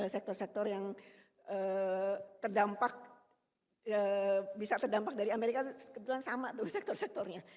sektor sektor yang terdampak bisa terdampak dari amerika kebetulan sama tuh sektor sektornya